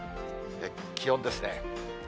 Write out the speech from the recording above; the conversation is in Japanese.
気温ですね。